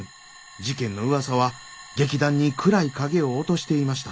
事件の噂は劇団に暗い影を落としていました。